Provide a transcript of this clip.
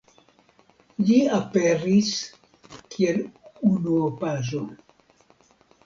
Ĝi aperis kiel unuopaĵo.